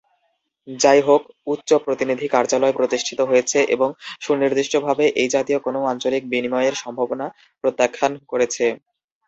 যাইহোক উচ্চ প্রতিনিধি কার্যালয় প্রতিষ্ঠিত হয়েছে এবং সুনির্দিষ্টভাবে এই জাতীয় কোনও আঞ্চলিক বিনিময়ের সম্ভাবনা প্রত্যাখ্যান করেছে।